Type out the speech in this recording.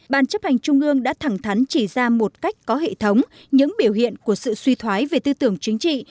ban chấp hành trung ương đã thẳng thắn chỉ ra một cách có hệ thống những biểu hiện của sự suy thoái về tư tưởng chính trị